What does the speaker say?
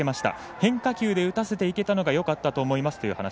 変化球で打たせていけたのがよかったと思いますという話。